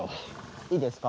いいですか？